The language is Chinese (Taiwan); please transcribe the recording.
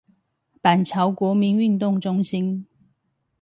板橋國民運動中心